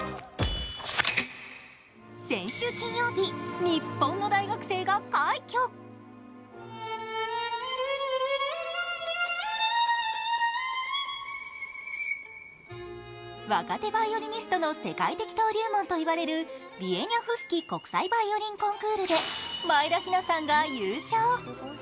先週金曜日、日本の大学生が快挙若手バイオリニストの世界的登竜門といわれるビエニャフスキ国際ヴァイオリン・コンクールで前田妃奈さんが優勝。